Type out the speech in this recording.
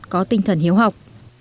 có tinh thần hiếu học